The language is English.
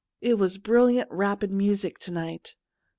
It was brilliant, rapid music to night.